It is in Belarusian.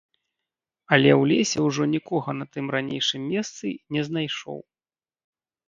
Але ў лесе ўжо нікога на тым ранейшым месцы не знайшоў.